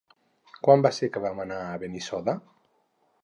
Quan va ser que vam anar a Benissoda?